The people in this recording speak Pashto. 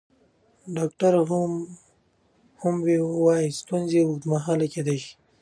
ډاکټره هومبو وايي ستونزې اوږدمهاله کیدی شي.